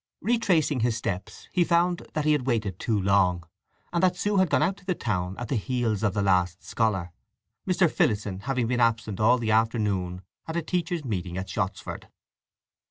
Retracing his steps he found that he had waited too long, and that Sue had gone out into the town at the heels of the last scholar, Mr. Phillotson having been absent all the afternoon at a teachers' meeting at Shottsford.